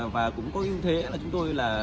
và cũng có như thế là chúng tôi là